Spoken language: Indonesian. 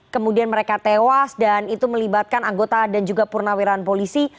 kemudian mereka tewas dan itu melibatkan anggota dan juga purnawiran polisi